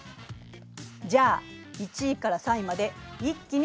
じゃあ１位から３位まで一気に発表するわよ。